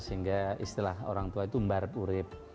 sehingga istilah orang tua itu mbarip urip